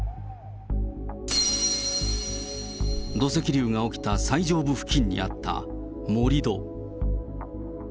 土石流が起きた最上部付近にあった盛り土。